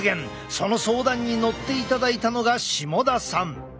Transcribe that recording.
その相談に乗っていただいたのが下田さん。